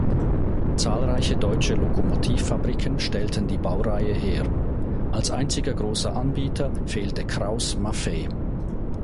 Zahlreiche deutsche Lokomotivfabriken stellten die Baureihe her, als einziger großer Anbieter fehlte Krauss-Maffei.